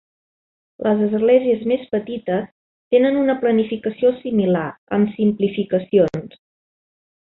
Les esglésies més petites tenen una planificació similar, amb simplificacions.